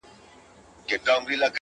o ښكلي چي گوري؛ دا بيا خوره سي؛